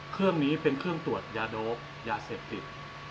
เครื่องนี้เป็นเครื่องตรวจยาโดปยาเสพติด